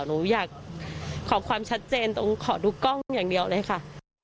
หนูอยากขอความชัดเจนตรงขอดูกล้องอย่างเดียวเลยค่ะ